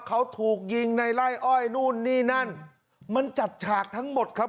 เขาถูกยิงในไล่อ้อยนู่นนี่นั่นมันจัดฉากทั้งหมดครับ